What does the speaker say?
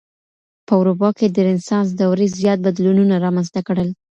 په اروپا کي د رنسانس دورې زيات بدلونونه رامنځته کړل.